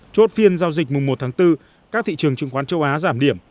chốt phiên giao dịch mùng một tháng bốn các thị trường chứng khoán châu á giảm điểm